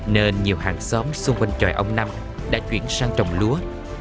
nên nhiều hàng xóm xung quanh tròi ông năm đã chuyển sang trồng lúa